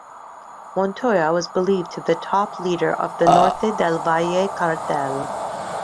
Montoya was believed to be the top leader of the Norte Del Valle Cartel.